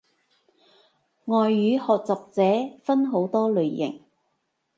外語學習者分好多類型